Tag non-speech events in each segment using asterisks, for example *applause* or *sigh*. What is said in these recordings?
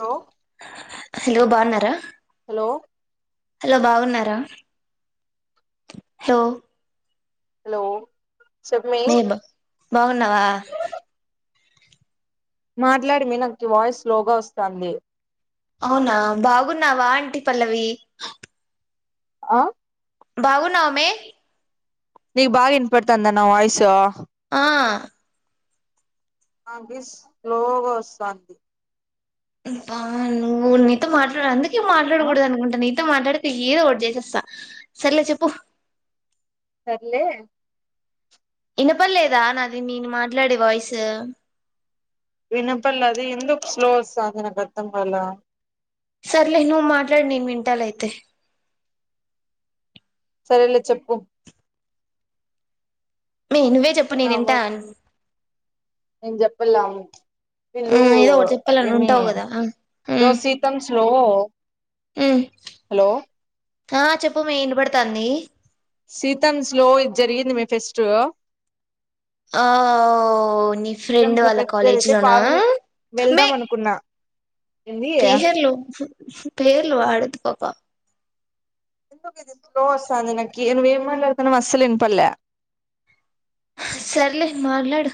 ఓ hello బాగున్నారా hello బాగున్నారా hello hello చెప్పు మే బాగున్నావా మాట్లాడు మె నాకి వాయిస్ స్లోగా వస్తాంది అవునా బాగున్నావా అంటి పల్లవి ఆ బావున్నావ మే నీకు బాగా ఇన్పడతాంద నా వాయిసు ఆ ఆ బిస్ స్లోగోస్తాంది బా నువ్వు నీతో మాట్లాడ అందుకే ఆ మాట్లాడకూడదనుకుంటా నీ నితో మాట్లాడితే ఈదోకటి చేసేస్తా సర్లే చెప్పు సర్లే ఇన్నపల్లేదా నాది నేను మాట్లాడే వాయిస్ వినపల్లే అదే ఎందుకు స్లో ఒస్తాంది నాకర్ధం కాల సర్లే నువు మాట్లాడి నేను వింటాలే అయితే సరేలే చెప్పు మ్మే నువ్వే చెప్పు ఆ నేను ఇంట నేను చెప్పలను ఆ, వీళ్ళు ఏదో ఒకటి చెప్పాలని ఏమి ఉంటావు కదా ఆ ఉమ్, ఈరోజు సీతమ్స్లో ఉమ్ ఆ చెప్పమే ఇనబడతాంది సీతమ్స్ లో ఇది జరిగింది మే ఫెస్ట్ ఆ ఒ నీ ఫ్రెండ్ సీతమ్స్ లో వాళ్ళ ఫెస్ట్ కాలేజీ జరిగితే లోనా పావని మే వెళ్దాం అనుకున్నా ఏంది ఆ పేర్లు పేర్లు వాడొద్దు పాప ఎందు స్లో వస్తంది నాకి నువ్వేం ఏం మాట్లాడుతున్నావొ అస్సలు వినపల్లే సర్లే మాట్లాడు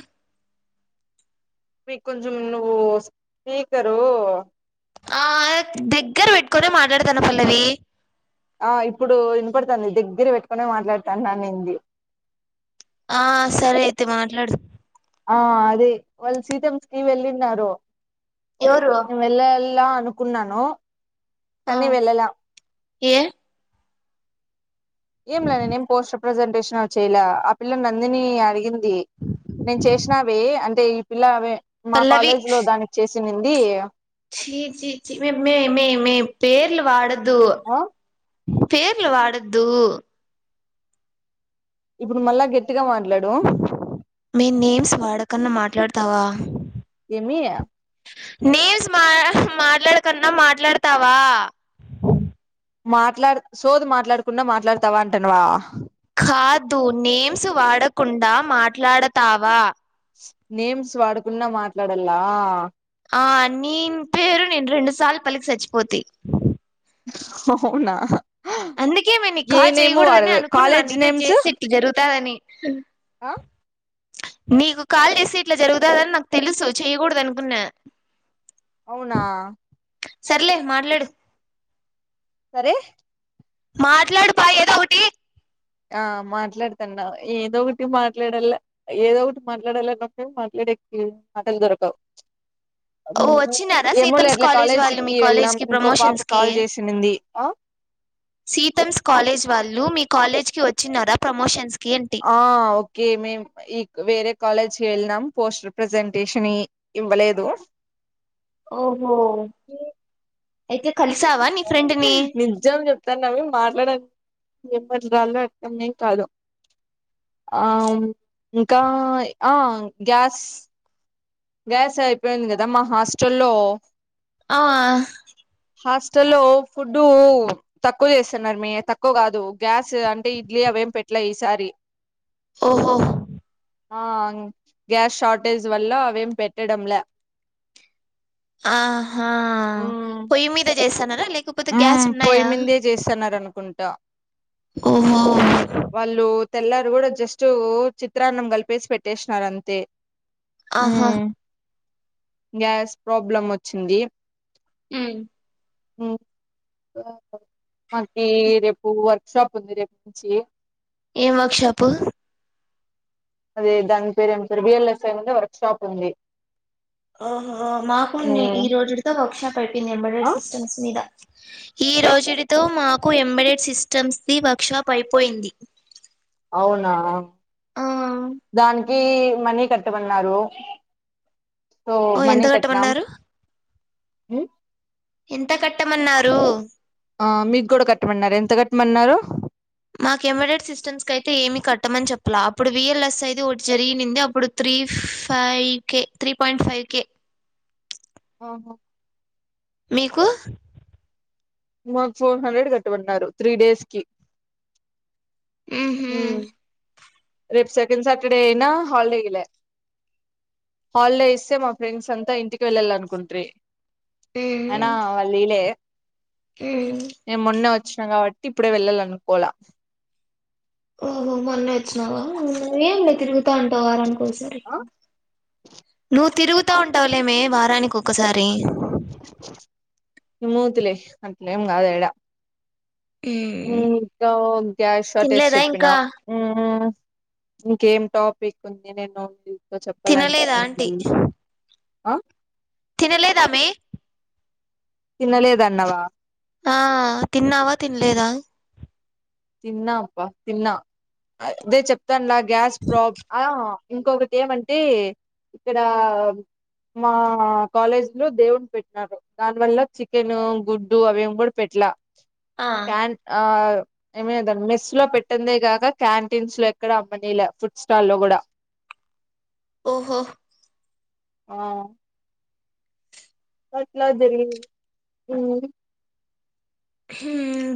మీకు కొంచం నువ్వు స్పీకరు ఆ దగ్గర పెట్టుకొని మాట్లాడతాన్న పల్లవి ఆ ఇప్పుడు వినపడుతాంది దగ్గర పెట్టుకునే మాట్లాడుతాన్న నింది ఆ సరే అయితే మాట్లాడు ఆ అదే వాళ్ళు సీతామ్స్కి వెళ్ళిన్నారు ఎవరు మే వెళ్ళ లా అనుకున్నాను ఆ కానీ వెళ్ళలా ఏ ఏం లే నేనేం పోస్టర్ ప్రజెంటేషన్ చయాలే ఆ పిల్ల నందిని అడిగిం ది నేను చేసినావి అంటే ఈ పిల్ల అవి మా కాలేజ్ లో దానికి చే సినింది ఛి ఛి ఛి మె మె మె మె పేర్లు వాడొ ద్దు ఆ పేర్లు వాడొద్దు ఇప్పుడు మళ్ళా గట్టిగా మాట్లాడు మే నేమ్స్ వాడకన్నా మాట్లాడతావా ఏమియా నేమ్స్ మా మాట్లాడకన్నా మాట్లాడతావా మాట్లాడు సోద్ మాట్లాడకుండా మాట్లాడతావా అంటాన్నవ కాదు నేమ్స్ వాడకుండా మాట్లాడతావా నేమ్స్ వాడకున్నా మాట్లాడలా ఆ నీం పేరు నేను రెండు సార్లు పలికి సచ్చి పోతి అవునా అందుకే మే నీకు ఏ కాల్ నేము చేయ్యకూడదని వాడదు అనుకున్నాను కాలేజ్ నీతో నేమ్స్ చేసేట్లా జరుగుతాదని ఆ నీకు కాల్ చేస్తే ఇట్లా జరుగుతుదని నాకు తెలుసు చెయకూడద అనుకున్నా అవునా సర్లే మాట్లాడు అరే మాట్లాడు పా ఏదో ఒకటి ఆ మాట్లాడతన్నా ఏదో ఒకటి మాట్లాడాల ఏదో ఒకటి మాట్లాడాలన్నప్పుడు మాట్లా *unintelligible* మాటల్ దొరకవు ఓ వచ్చినారా ఏమోలే సీతామ్స్ అట్లా కాలేజ్ వాళ్ళు మీ కాలేజీకి కాలేజ్ వెళ్ళాం కి ఇంకో పాప ప్రమోషన్స్ కి కాల్ చేసినింది ఆ సీతమ్స్ కాలేజ్ వాళ్ళు మీ కాలేజ్కి వచ్చినార ప్రమోషన్స్ కి ఏంటి ఆ ఓకే మేము ఈ వేరే కాలేజ్ కి వెళినం పోస్టర్ ప్రజెంటేషన్ ఇ ఇవ్వలేదు ఓహో ఏక్ నిజం చెప్తన్నాను మాట్లాడ ఏం మాట్లాడాలో అర్థమే కాదు ఆ ఇంకా ఆ గ్యాస్ గ్యాస్ అయిపోయింది కదా మా హాస్టల్లో ఆ హాస్టల్లో ఫుడ్ తక్కువ చేస్తున్నారు. మ్మె తక్కువ కాదు గ్యాస్ అంటే ఇడ్లీ అవి ఏం పెట్ల ఈసారి ఓహో ఆ గ్యాస్ షార్టేజ్ వల్ల అవేం పెట్టడంలా ఆహా మ్మ్ పొయ్యి మీద చేస్తాన లేకపోతే గ్యాస్ మ్మ్ పొయ్యి ఉన్నాయా మిందే చేస్తున్నారు అనుకుంటా ఓహ తెల్లారీ కూడా జస్ట్ చిత్రాన్నం కలిపేసి పెట్టేసినార అంతే ఆహా మ్మ్ గ్యాస్ ప్రాబ్లం ఓచ్చింది. మ్ హు మాకి రేపు వర్క్ షాప్ ఉంది రేపట్నుంచి ఏ వర్క్ షాపు అది దాని పేరు ఏం పేరు బిఎల్ఎస్ఐ మీద వర్క్ షాప్ ఉంది. ఆహా మాకు ఉన్నయ్ ఈరోజుడితో వర్క్ షాప్ అయిపోయింది. ఎంబడెడ్ సిస్టమ్స్ మీద ఈరోజుడితో మాకు ఎంబడెడ్ సిస్టమ్స్ ది వర్క్ షాప్ అయిపోయింది. వునా ఆ దానికి మనీ కట్టమన్నారు సో ఓ మనీ ఎంత కట్నాం కట్టమన్నారు మ్ ఎంత కట్టమన్నారు ఆ మీకూడా కట్టమన్నార ఎంత కట్టమన్నారు మాకు ఎంబడెడ్ సిస్టమ్స్ కయితే ఏమి కట్టమని చెప్పలే. అప్పుడు విఎల్ఎస్ అయిది ఒకటి జరిగినింది. అప్పుడు three three five K three point five K ఆహా మీకు మాకు ఫోర్ హండ్రెడ్ కట్టమన్నారు త్రీ డేస్ కి మ్ హు రేప్ సెకండ్ సాటర్డే ఐన హాలిడే ఇలే హాలిడే ఇస్తే మా ఫ్రెండ్స్ అంతా ఇంటికి వెళ్ళాల అనుకుంట్రి ఐన వాళ్ళీలే ఊ వచ్చిన కాబట్టి ఇప్పుడే వెళ్ళాల అనుకోల ఓహో మొన్నే ఓచ్చినావ ఏం లే తిరుగు త ఉంటావ్ వారానికొసరి ఆ నువ్వు తిరుగుతా ఉంటావులే వార రానికి ఒకసారి మూతిలే అట్లేం కాదేడా ఇంకా గ్యాస్ షార్టేజ్ తినలేదా చెప్పినా ఇంకా మ్ ఇంకేం టాపిక్ ఉంది నేను నీతో తినలేదా ఆంటీ చెప్పాలనుకుంది ఆ తెలీదా మై తిన్నలేద్ అన్నవా ఆ తిన్నావా తినలేదా తిన్న అబ్బా తిన్న అదే చెప్తాన గ్యాస్ ప్రాబ్ ఆ ఇంకొకటి ఏమంటే ఇక్కడ మా కాలేజ్ లో దేవుని పెట్టినారు. దాని వల్ల చికెన్ గుడ్డు అవీ ఎవర్ పెట్టలా ఆ ఫాన్ ఆ ఏమెదం మెస్ లో పెట్టందే గాక క్యాంటీన్స్ లో ఎక్కడ అమ్మనీలే ఫుడ్ స్టాల్ లో కూడా ఓహో ఆ అట్లా జరిగింది ఉ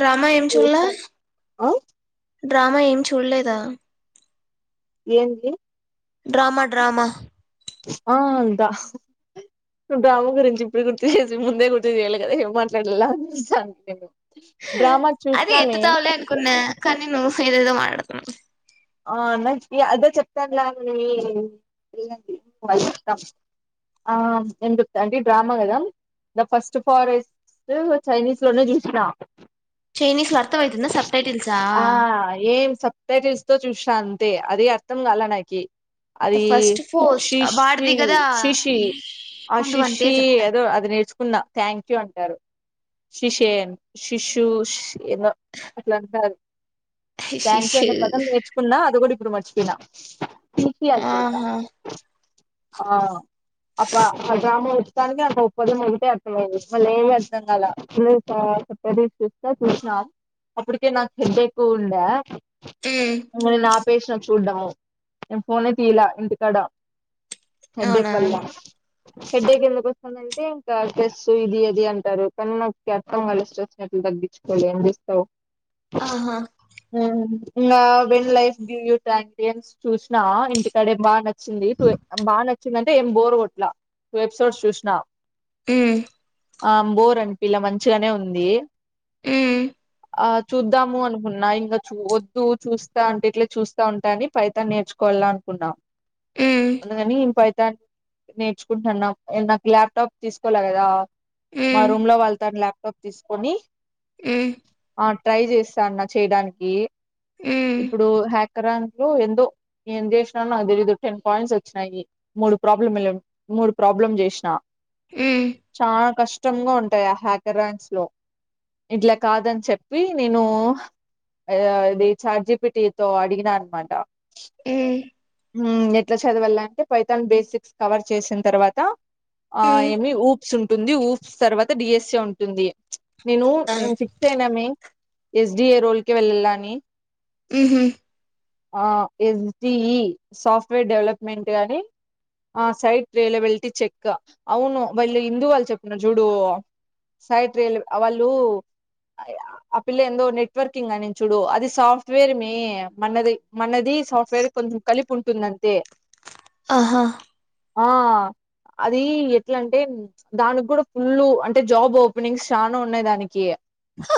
డ్రామా ఏం చుల్ల చేశాను ఆ డ్రామా ఏం చూడలేదా ఏంటి డ్రామా డ్రామా ఆ దా డ్రామా గురించి ఇప్పుడు గుర్తు చేసి ముందే గుర్తు చేయాలి కదా ఏం మాట్లాడలో అని చూస్తాన్న నేను డ్రామా అది చూసినానే ఎత్తుతావలే అనుకున్నా కానీ నువ్వు ఏదేదో మాట్లాడుతున్నావు ఆ నాకు అదో చెప్తాన్నా *unintelligible* ఆ ఏం చెప్తా అంటె డ్రామా గదా ద ఫస్ట్ ఫారెస్ట్ చైనీస్ లోనే జుసిన చైనీస్ లో అర్త వైతుందా సప్ రైటిల్సా సుబటైటిల్స్ చూస్నా అంతే అది అర్థం కాలా నాకి అ ద ఫస్ట్ పోస్ట్ శిషి వాడిది కదా శిషి ఉండు వాని పేరు ఆశిషి చెప్తా ఏదో అది నేర్చుకున్నా థ్యాంక్ యూ అంటారు శిషేన్ శిశు ఎందో అట్లా అంటారు థ్యాంక్ యూ శిశు అనే పదం నేర్చుకున్నా అది కూడాడిప్పుడు మర్చి పోయినా ఆహా ఆ అప్ప ఆ డ్రామా ఉచ్చానికి అంత ఉప్పది మొగిటే అర్థమైంది మళ్ళ ఏమి అర్థం కల ప్ప చూస్తా చూసినాం అప్పటికే నాకు హెడ్ హెక్ ఉండే ఉ చూడాము నేను ఫోనే తీయలా ఇంటికాడ హెడ్డేక్ అవునా వల్ల హడ్డేకెందుకు వస్తుందంటే ఇంకా ట్రెస్సు ఇది అది అంటారు కానీ నాకు అర్థం కలిసి వచ్చ తగ్గించుకోవాలి ఎం చేస్తావ్ ఆహా ఉ ఇంగా when life give you tangerines చూసినవ ఇంటికాడ బా నచ్చింది బాగా నచ్చిందంటే ఎం బోర్గొట్ల టూ ఎపిసోడ్ చుసిన ఉ ఆ బోర్ అనిపియ్యలే మంచిగానే ఉంది ఉ ఆ చూద్దాము అనుకున్నా ఇంకా చూ వద్దు చూ అంటే ఇట్లే చూస్తా ఉంటా అని ఫైతాన్ నేర్చుకోవాల అనుకున్నా ఉమ్ అందుకని న్ నేర్చుకుంటన్నాం నాకు ల్యాప్టాప్ తీసుకోవాల గదా మా ఉమ్ రూమ్ ల వాళ్ళ తానా ల్యాప్టాప్ తీసుకొని ఉ ట్రై చేస్తాన్నా చేయడానికి ఉమ్ ఇప్పుడు హ్యాక్ సంక్రాంతి లో ఎందో ఏం చేసినానో నాకు తెలీదు టెన్ పాయింట్స్ వచ్చినాయి మూడు ప్రాబ్లమ్ మూడు ప్రాబ్లమ్ జెసిన ఉమ్ చానా కష్టం చోంగ ఉంటాయి ఆ హ్యాకర్ ర్యాంక్స్ లో ఇట్లా కాదని చెప్పి నేను ద అది చాట్ జిపిటి తో అడిగిన అనమాట ఎ ఉ ఎట్లా చదవాల అంటే పైతాన్ బేసిక్స్ కవర్ చేసిన తర్వాత ఆ ఉమ్ ఉమ్ ఏమి స్ ఉంటుంది ఉప్స్ తర్వాత డిఎస్ఎ ఉంటుంది నేను ఆ నేను ఫిక్స్ అయినామె ఎస్ డిఏ రోల్ క వెళ్ళలా అని ఉహు ఆ ఎంటి ఈ సాఫ్ట్వేర్ డెవలప్మెంట్ గాని ఆ సైట్ వేల వెళ్తే చెక్ అవును వాళ్ళు హిందూ వాళ్ళు చెప్పతున్నారు చూడు సైట్ రేల్ వాళ్ళు ఆ పిల్ల ఎందో నెట్వర్కింగ్ అనింది చూడు అది సాఫ్ట్వేర్ మే మనది మనది సాఫ్ట్వేర్ కొంచెం కలిపి ఉంటుందంతే ఆహా ఆ అది ఎట్లాంటే దానికి కూడా ఫుల్ అంటే జాబ్ ఓపెనింగ్స్ చానా ఉన్నాయి దానికి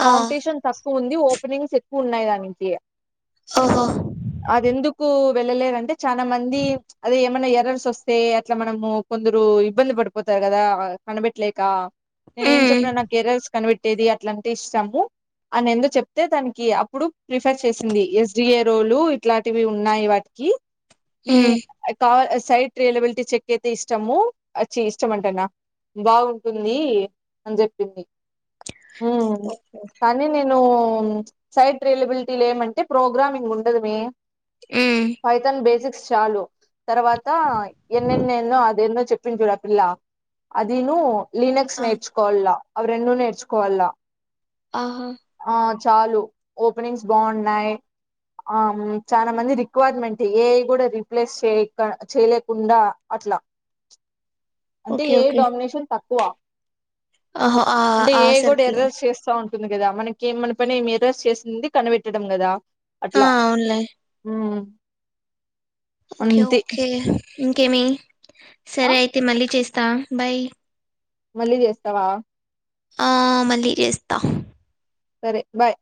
ఆ కాంపిటీషన్ తక్కువ ఉంది ఓపెనింగ్స్ ఎక్కువ ఉన్నాయి దానికి ఓహో అదెందుకు వెళ్ళలేదంటె చానా మంది అదే ఏమన్నా ఎర్రర్స్ వస్తే అట్లా మనము కొందరు ఇబ్బంది పడిపోతారు కదా కనిబెట్లేక నేను ఏం ఉమ్ చెప్పినాను నాక్ ఎర్రర్స్ కనిపెట్టేది అట్లాంటె ఇష్టాము అని ఎందుచెప్తే దానికి అప్పుడు ప్రిఫర్ చేసింది ఎస్డిఏ రోలు ఇట్లాంటివి ఉన్నాయి వాటికి మ్ ఉమ్ ఐ కా ఎస్ సైట్ రియలబిలిటీ చెక్ అయితే ఇష్టము ఆచ్చి ఇష్టమ్ అంటున్న బాగుంటుంది అని చెప్పింది మ్ కానీ నేను సైడ్ రిలబిలిటీ లేంఅంటే ప్రోగ్రామింగ్ ఉండదు మె ఉమ్ ఫైతన్ బేసిక్ చాలు తర్వాత ఎన్నెన్నేన్నో అదేన్నో చెప్పిన్ చూడు ఆ పిల్ల అదీను లీనెక్స్ ఆ నేర్చుకోవల్ల అవిరెండు నేర్చుకోవల్ల ఆహా చాలు ఓపెనింగ్స్ బావున్నాయి ఆ చాలా మంది రిక్వైర్మెంట్ ఏఐ కూడా రీప్లేస్ చేయక చేయలేకుండా అట్లా అంటే ఓకే ఏఐ ఓకే డామినేషన్ తక్కువ ఆహో ఆ అంటే ఆ ఎఐ కూడా సర్కిల్ ఎర్రర్స్ చేస్తా ఉం టుంది కదా మనకి ఏ మన పని ఏమి ఎర్రర్స్ చేసింది కనిబెట్టడం కదా ఆ అట్లా అవునులే మ్ ఓకే ఓకే ఇంకేమి ఆ, సరే అయితే మళ్ళీ చేస్ తా బయ్ మళ్ళీ జేస్తావా ఆ మళ్ళీ చేస్తా సరే బాయ్